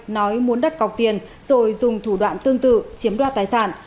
nói muốn đặt cọc tiền rồi dùng thủ đoạn tương tự chiếm đoạt tài sản